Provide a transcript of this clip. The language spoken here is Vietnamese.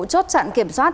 chốt chặn kiểm soát